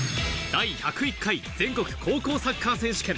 第１０１回全国高校サッカー選手権。